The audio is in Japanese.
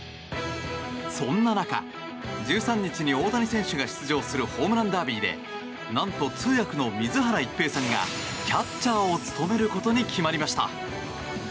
そんな中、１３日に大谷選手が出場するホームランダービーでなんと、通訳の水原一平さんがキャッチャーを務めることに決まりました。